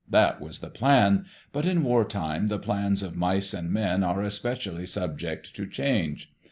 That was the plan; but in wartime the plans of mice and men are especially subject to change.